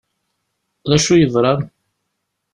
D acu i yeḍṛan?